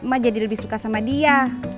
mah jadi lebih suka sama dia